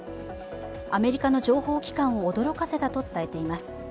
アメリカの情報機関を驚かせたと伝えています。